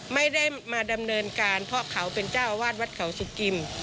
ไม่ได้มาดำเนินการเพราะเขาเป็นเจ้าอาวาสวัดเขาสุกิม